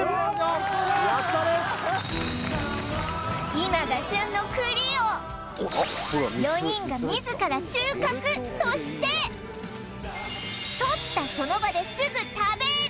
今が旬の栗を４人が自ら収穫そしてとったその場ですぐ食べる！